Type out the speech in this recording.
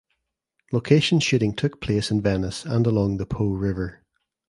Location shooting took place in Venice and along the Po River.